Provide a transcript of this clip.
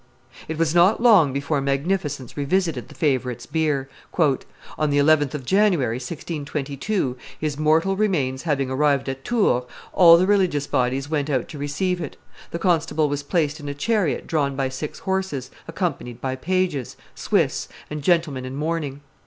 It was not long before magnificence revisited the favorite's bier. "On the 11th of January, 1622, his mortal remains having arrived at Tours, all the religious bodies went out to receive it; the constable was placed in a chariot drawn by six horses, accompanied by pages, Swiss, and gentlemen in mourning.